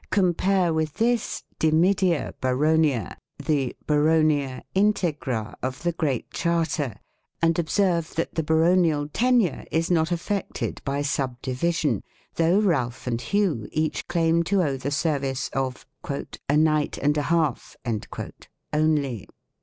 Compare with this "dimidia baronia," the "baronia integra " of the Great Charter, and observe that the baronial tenure is not affected by subdivision, though Ralf and Hugh each claim to owe the service of " a knight and a half " (only).